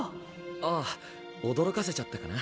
ああ驚かせちゃったかな？